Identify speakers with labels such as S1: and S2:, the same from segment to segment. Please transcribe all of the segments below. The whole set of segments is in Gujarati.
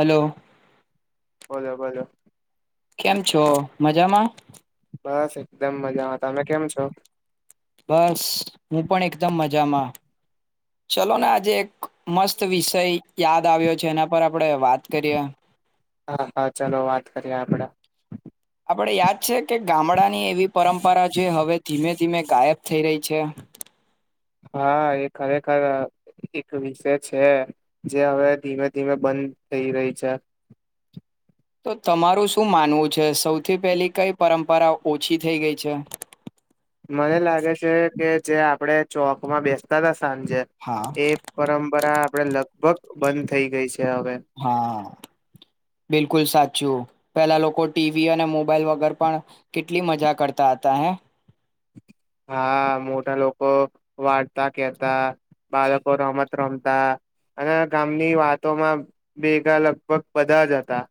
S1: હલો.
S2: બોલો બોલો.
S1: કેમ છો મજામાં.
S2: બસ એકદમ મજામાં તમે કેમ છો.
S1: બસ હું પણ એકદમ મજામાં ચલો ને આજે એક મસ્ત વિષય યાદ આવ્યો છે એના પર આપણેે વાત કરીએ.
S2: હા હા ચલો વાત કરીએ આપડે.
S1: આપણે યાદ છે કે ગામડાની એવી પરંપરા જે હવે ધીમે ધીમે ગાયબ થઈ રહી છે.
S2: હા એ ખરેખર એક વિષય છે જે હવે ધીમે ધીમે બંધ થઈ રહી છે.
S1: તો તમારું શું માનવું છે સૌથી પહેલી કઈ પરંપરા ઓછી થઈ ગઈ છે.
S2: મને લાગે છે કે જે આપડે ચોક માં બેસતા સાંજે
S1: હા
S2: એ પરંપરા આપડે લગભગ બંધ થઈ ગઈ છે. હવે
S1: હા. બિલકુલ સાચું પેલા લોકો ટીવી અને મોબાઈલ વગર પણ કેટલી મજા કરતા હતા હે.
S2: હા મોટા લોકો વારતા કેતા બાળકો રમત રમતા અને ગામની વાતોમાં ભેગા લગભગ બધા જ હતા.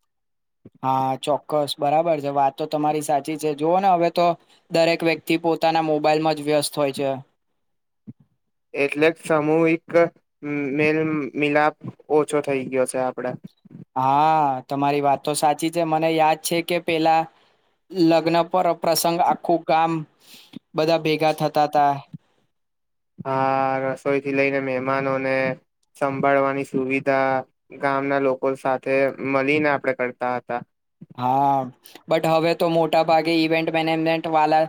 S1: કસ બરાબર છે વાત તો તમારી સાચી છે જુઓ ને હવે તો દરેક વ્યક્તિ પોતાના મોબાઈલમાં જ વ્યસ્ત હોય છે.
S2: એટલે જ સામૂહિક મેલ મિલાપ ઓછો થઈ ગયો છે આપડ.
S1: હા તમારી વાત તો સાચી છે મને યાદ છે કે પેલા લગ્ન પર પ્રસંગ આખું ગામ બધા ભેગા થતા તા.
S2: હા રસોઈ થી લઈને મહેમાનોને સંભાળવાની સુવિધા ગામના લોકો સાથે મલીને આપણે કરતા હતા.
S1: હા બટ હવે તો મોટા ભાગે ઈવેન્ટ મેનેજમેન્ટ વાળા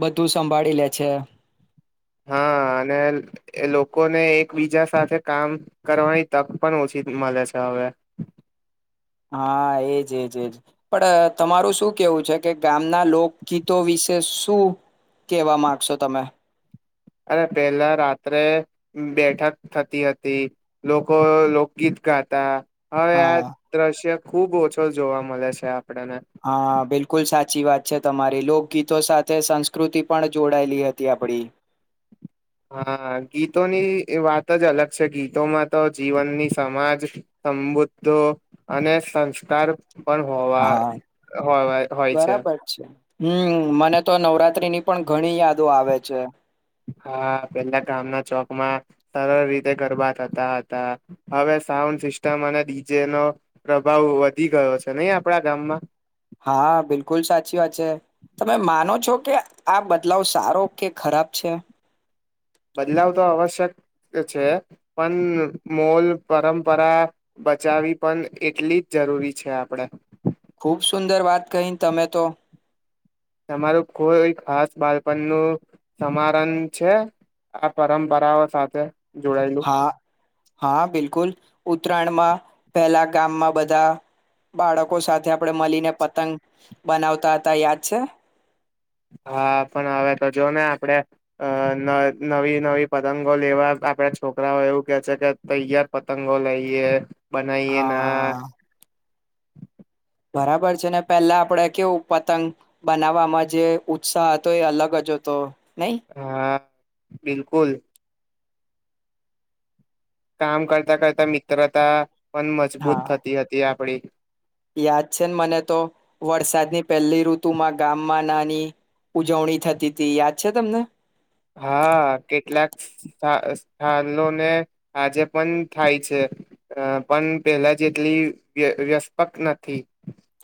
S1: બધું સંભાળી લે છે.
S2: હા અને એ લોકોને એકબીજા સાથે કામ કરવાની તક પણ ઓછી મલે છે હવે.
S1: હા એજ એજ એજ પણ તમારું શું કેવું છે કે ગામના લોકગીતો વિશે શું કેવા માંગશો તમે.
S2: અરે પેલા રાત્રે બેઠક થતી હતી લોકો લોકગીત ગાતા હવે આ
S1: હા
S2: દ્રશ્ય ખુબ ઓછો જોવા મળે છે આ
S1: હા બિલકુલ સા સાચી વાત છે તમારી લોકગીતો સાથે સંસ્કૃતિ પણ જોડાયેલી હતી આપડી.
S2: હા ગીતોની વાત જ અલગ છે ગીતોમાં તો જીવનની સમાજ સમબુદ્ધો અને સંસ્કાર પણ હોવા
S1: હા
S2: હોવા હોય
S1: બરાબર છે હમ્મ મને તો નવરાત્રીની પણ ઘણી યાદો આવે છે.
S2: હા પેલા ગામના ચોકમાં સરળ રીતે ગરબા થતા હતા હવે સાઉન્ડ સિસ્ટમ અને ડીજે નો પ્રભાવ વધી ગયો છે નહી આપડા ગામમાં.
S1: હા બિલકુલ સાચી વાત છે તમે માનો છો કે આ બદલાવ સારો કે ખરાબ છે.
S2: બદલાવ તો આવશ્યક છે પણ મોલ પરંપરા બચાવવી પણ એટલી જ જરૂરી છે આપણેે.
S1: ખુબ સુંદર વાત કહી તમે તો.
S2: તમારું કોઈ ખાસ બાળપણ નું સમારન છે આ પરંપરાઓ સાથે. જોડાયેલું
S1: હા હા બિલકુલ ઉત્તરાયણ મા પહેલા ગામમાં બધા બાળકો સાથે આપણે મળીને પતંગ બનાવતા હતા યાદ છે?
S2: હા પણ હવે તો જો ને આપડે અ નવી નવી પતંગો લેવા આપડા છોકરાઓ એવું કે છે કે તૈયાર પતંગો લઈએ બનાઈએ ના.
S1: હા બરાબર છે ને પહેલા આપડે કેવું પતંગ બનાવવામાં જે ઉત્સાહ હતો એ અલગ જ હતો. નઈ
S2: હા બિલકુલ કામ કરતા કરતા મિત્રતા પણ મજબૂત
S1: હા
S2: થતી હતી આપડી
S1: યાદ છે ને મને તો વરસાદની પહેલી ઋતુમાં ગામમાં નાની ઉજવણી થતી તી યાદ છે તમને
S2: હા કેટલાક સથા સ્થનોને આજે પણ થાય છે પણ પેલા જેટલી વય વ્યસ્પક નથી.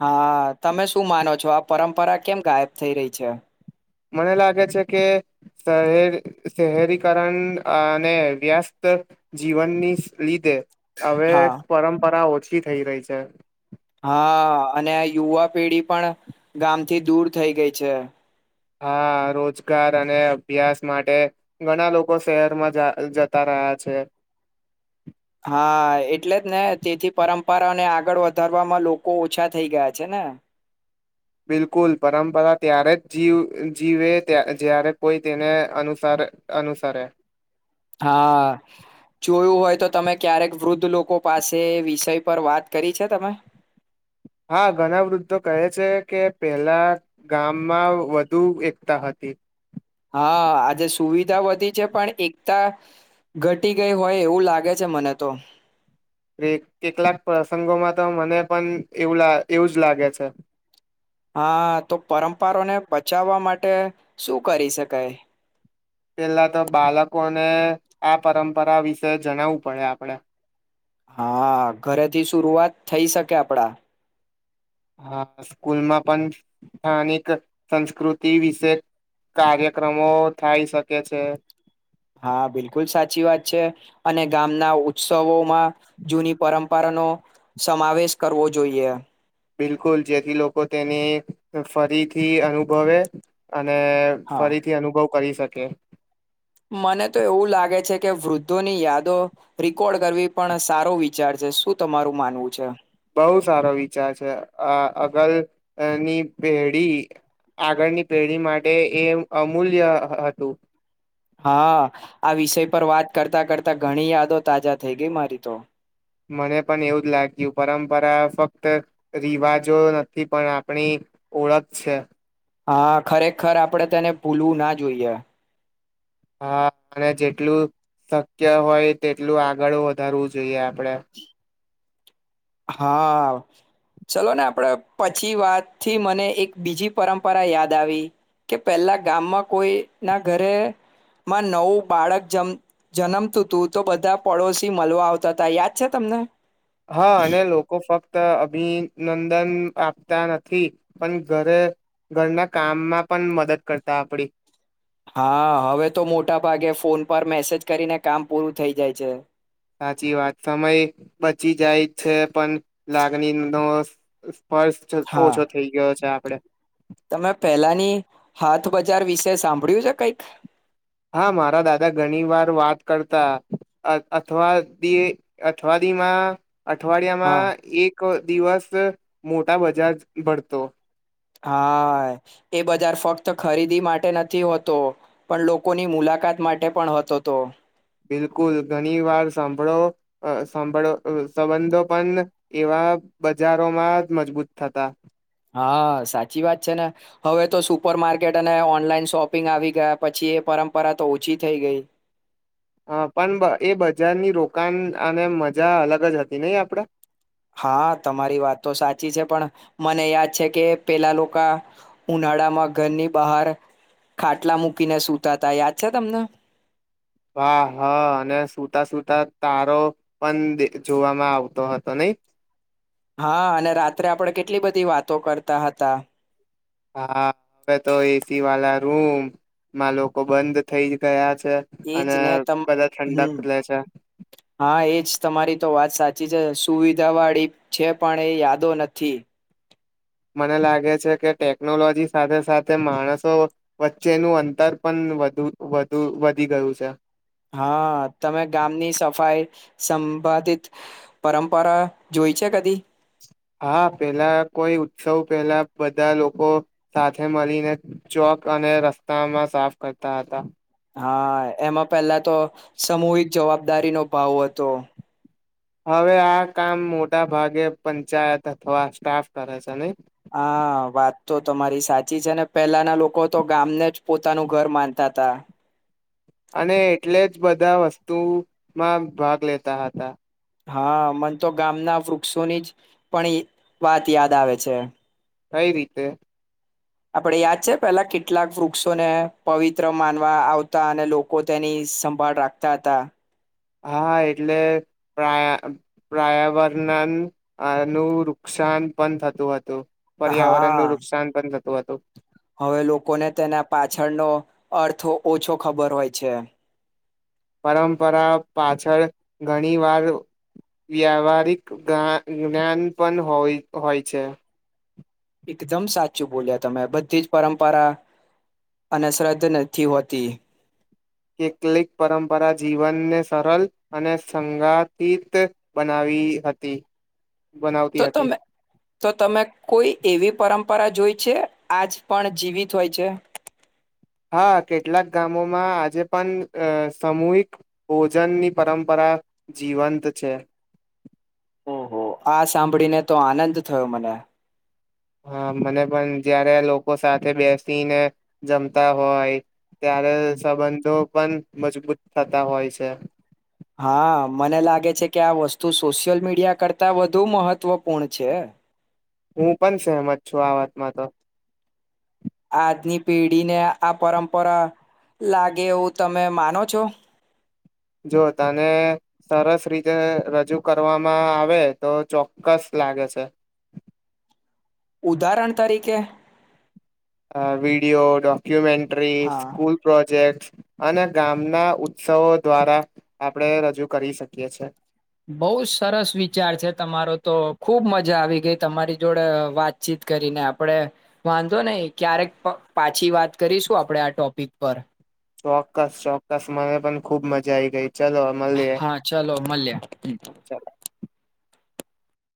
S1: હા તમે શું માનો છો આ પરંપરા કેમ ગાયબ થઈ રહી છે.
S2: મને લાગે છે કે શહેર શહેરીકરણ અને વ્યસ્ત જીવનની લીધે હવે
S1: હા
S2: પરંપરા ઓછી થી રહી છે.
S1: હા અને યુવા પેઢી પણ ગામથી દૂર થઈ ગઈ છે.
S2: હા રોજગાર અને અભ્યાસ માટે ઘણા લોકો શહેરમાં જા જતા રહ્યા છે.
S1: હા એટલે જ ને તેથી પરંપરાને આગળ વધારવામાં લોકો ઓછા થઈ ગયા છે ને
S2: બિલકુલ પરંપરા ત્યારે જ જી જીવે જ્યારે કોઈ તેને અનુસારે અનુસરે
S1: હા જોયું હોય તો તમે ક્યારેક વૃદ્ધ લોકો પાસે વિષય પર વાત કરી છે તમે
S2: હા ઘણા વૃદ્ધો કહે છે કે પેલા ગામમાં વધુ એકતા હતી
S1: હા આજે સુવિધા વધી છે પણ એકતા ઘટી ગઈ હોય એવું લાગે છે મને તો
S2: કે કેટલાક પ્રસંગોમાં તો મને પણ એવું લા એવું જ લાગે છે.
S1: હા તો પરંપરોને બચાવવા માટે શું કરી શકાય
S2: પેલા તો બાલકોને આ પરંપરા વિશે જણાવવું પડે આપણેે
S1: હા ઘરેથી શુરુઆત થઈ શકે આપડા
S2: હા સ્કૂલમાં પણ સ્થાનિક સંસ્કૃતિ વિશે કાર્યક્રમો થાય શકે છે.
S1: હા બિલકુલ સાચી વાત છે અને ગામના ઉત્સવો માં જૂની પરં નો સમાવેશ કરવો જોઈએ
S2: બિલકુલ જેથી લોકો તેને ફરીથી અનુભવે અને
S1: હા.
S2: ફરીથી અનુભવ કરી શકે
S1: મને તો એવું લાગે છે કે વૃદ્ધોની યાદો રીકોર્ડ કરવી પણ સારો વિચાર છે શું તમારું માનવું છે.
S2: બહુ સારો વિચાર છે આ અગલની પેઢી આગળની પેઢી માટે એ અમૂલ્ય હતું.
S1: હા આ વિષય પર વાત કરતા કરતા ઘણી યાદો તાજા થઈ ગઈ મારી તો
S2: મને પણ એવું જ લાગ્યું પરંપરા ફક્ત રિવાજો નથી પણ આપણી ઓળખ છે.
S1: હા ખરેખર આપડે તેને ભૂલવું ના જોઈએ.
S2: હા અને જેટલું શક્ય હોય તેટલું આગળ વધારવું જોઈએ આપડે
S1: હા ચલો ને આપણે પછી વાતથી મને એક બીજી પરંપરા યાદ આવી કે પેલા ગામમાં કોઈ ના ઘરેમાં નવું બાળક જ જન્મતું હતું તો બધા પડોશી મળવા આવતા હતા યાદ છે તમને
S2: હા અને લોકો ફક્ત ત અભિનંદન આપતા નથી પણ ઘરે ઘરના કામમાં પણ મદદ કરતા આપડી
S1: હા હવે તો મોટા ભાગે ફોન પર મેસેજ કરીને કામ પૂરું થઈ જાય છે.
S2: સાચી વાત સમય બચી જાય છે પણ લાગણી નો ફર્સ
S1: હા.
S2: ઓછો થઇ ગયો છે આપડે
S1: તમે પહેલાની હાથ બજાર વિશે સાંભળ્યું છે કંઈક
S2: હા મારા દાદા ઘણી વાર વાત કરતા અથવા અથવાડીમાં
S1: હા.
S2: અઠવાડિયામાં એક તો દિવસ મોટા બજાજ ભડતો
S1: હા એ બજાર ફક્ત ખરીદી માટે નથી હોતો. પણ લોકોની મુલાકાત માટે પણ હતો તો.
S2: બિલકુલ. ઘણી વાર સાંભળો સાંભળો સંબંધો પણ એવા બજારોમાં મજબૂત થતા.
S1: હા સાચી વાત છે ને. હવે તો સુપર માર્કેટ અને ઓનલાઈન શોપિંગ આવી ગયા પછી એ પરંપરા તો ઓછી થઈ ગઈ.
S2: હા પણ એ બજારની રોકાણ અને મજા અલગ જ હતી નહી આપડા
S1: હા તમારી વાત તો સાચી છે. પણ મને યાદ છે કે પેલા લોકો ઉનાળામાં ઘરની બહાર ખાટલા મૂકીને સુતાતા. યાદ છે તમને?
S2: હા હા અને સુતા સુતા તારો પણ જોવામાં આવતો હતો નઈ.
S1: હા અને રાત્રે આપણે કેટલી બધી વાતો કરતા હતા.
S2: હા હવે તો એસી વાળા રૂમ માં લોકો બંધ થઇ ગયા છ
S1: એજ ને ત હમ્મ
S2: લે છે
S1: હા એજ તમારી તો વાત સાચ ચી છે. સુવિધા વાળી છે. પણ એ યાદો નથી.
S2: મને લાગે છે કે ટેકનોલોજી સાથે સાથે માણસો વચ્ચેનું અંતર પણ વધુ વધુ વધી ગયું છે.
S1: હા તમે ગામની સફાઈ સંબંધિત પરંપરા જોઈ છે કદી?
S2: હા પેલા કોઈ ઉત્સવ પેલા બધા લોકો સાથે મળીને ચોક અને રસ્તામાં સાફ કરતા હતા.
S1: હા એમાં પેલા તો સમૂહિક જવાબદારીનો ભાવ હતો.
S2: હવે આ કામ મોટા ભાગે પંચાયત અથવા સ્ટાફ કરે છે નહી.
S1: હા વાત તો તમારી સાચી છે ને. પહેલાના લોકો તો ગામને જ પોતાનું ઘર માનતા હતા.
S2: અને એટલે જ બધા વસ્તુમાં ભાગ લેતા હતા.
S1: હા મને તો ગામના વૃક્ષોની જ પણ વાત યાદ આવે છે.
S2: કઈ રીતે?
S1: આપડે યાદ છે પેલા કેટલાક વૃક્ષોને પવિત્ર માનવા આવતા અને લોકો તેની સંભાળ રાખતા હતા.
S2: હા એટલે પ્રા પ્રા પ્રાયવરણ નું નુકસાન પણ થતું હતું. પર્યાવરણ નું
S1: હા
S2: નુકસાન પણ થત તો તો.
S1: હવે લોકોને તેના પાછળનો અર્થો ઓછો ખબર હોય છે.
S2: પરંપરા પાછળ ઘણી વાર વ્યાહારિક ગાન જ્ઞાન પણ હોય હોય છે.
S1: એકદમ સાચું બોલ્યા તમે. બધી જ પરંપરા અનશ્રદ્ધ નથી હોતી
S2: કેટલિક પરંપરા જીવનને સરળ અને સંગાથિત બનાવી હતી.
S1: તો
S2: બનાવતી હતી
S1: તમે તો તમે કોઈ એવી પરંપરા જોઈ છે આજ પણ જીવિત હોય છે?
S2: હા કેટલાક ગામોમાં આજે પણ સામૂહિક ભોજનની પરંપરા જીવંત છે.
S1: ઓહો આ સાંભળીને તો આનંદ થયો મને
S2: હા મને પણ જયારે લોકો સાથે બેસીને જમતા હોય ત્યારે સંબંધો પણ મજબૂત થતા હોય છે.
S1: હા મને લાગે છે કે આ વસ્તુ સોશિયલ મીડિયા કરતા વધુ મહત્વપૂર્ણ છે.
S2: હું પણ સહેમત છું આ વાતમાં તો.
S1: આજની પેઢીને આ પરંપરા લાગે એવું તમે માનો છો?
S2: જો તને સરસ રીતે રજૂ કરવામાં આવે તો ચોક્કસ લાગે છે.
S1: ઉદાહરણ તરીકે?
S2: અ વિડિયો, ડોક્યુમેન્ટ ટ્રી,
S1: હા
S2: સ્કૂલ પ્રોજેક્ટ અને ગામના ઉત્સવો દ્વારા, આપણે રજૂ કરી શકીએ છે.
S1: બહુ સરસ વિચાર છે તમારો તો ખુબ મજા આવી ગઈ તમારી જોડે વાતચીત કરીને આપણે, વાંધો નઈ ક્યારેક પાછી વાત કરીશું આપડે આ ટોપિક પર.
S2: ચોક્કસ ચોક્કસ મને પણ ખુબ મજા આઈ ગઈ. ચલો મળીએ
S1: હા ચાલો મળ્યા.
S2: ચાલ